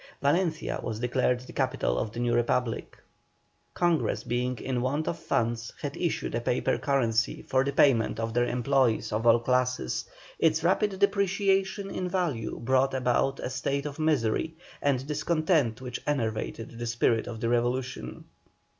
Valencia was declared the capital of the new Republic. Congress being in want of funds, had issued a paper currency for the payment of their employés of all classes; its rapid depreciation in value brought about a state of misery and discontent which enervated the spirit of the revolution.